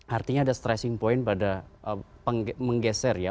artinya ada stressing point pada menggeser ya